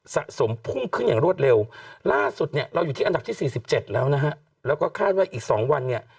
สะสมพุ่งขึ้นอย่างรวดเร็วล่าสุดเนี่ยเราอยู่ที่อันดับที่๔๗แล้วนะฮะแล้วก็คาดว่าอีก๒วันเนี่ย